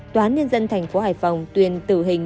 toán nhân dân thành phố hải phòng tuyên tử hình